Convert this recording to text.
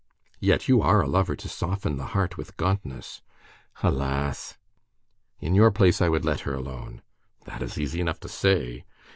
"Yet you are a lover to soften the heart with gauntness." "Alas!" "In your place, I would let her alone." "That is easy enough to say."